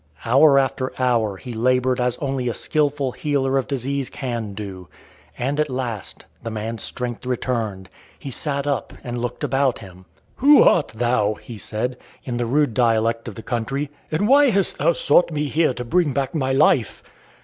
Hour after hour he labored as only a skilful healer of disease can do; and, at last, the man's strength returned; he sat up and looked about him. "Who art thou?" he said, in the rude dialect of the country, "and why hast thou sought me here to bring back my life?"